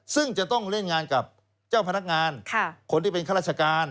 ซึ่งจะต้องเล่นงานกับเจ้าพนักงานคนที่เป็นข้าราชการ